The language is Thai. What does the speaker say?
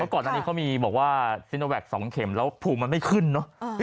ก่อนอันนี้เขามีบอกว่าซีโนแวค๒เข็มแล้วภูมิมันไม่ขึ้นเนอะ